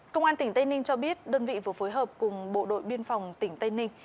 công an tỉnh tây ninh cho biết đơn vị vừa phối hợp cùng bộ đội biên phòng tỉnh tây ninh